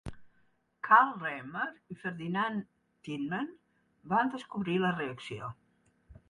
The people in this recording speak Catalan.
Karl Reimer i Ferdinand Tiemann van descobrir la reacció.